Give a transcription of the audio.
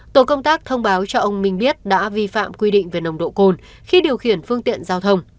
tổ công tác thông báo cho ông minh biết đã vi phạm quy định về nồng độ cồn khi điều khiển phương tiện giao thông